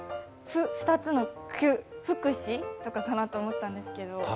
２つの９、福祉？とか思ったんですけど。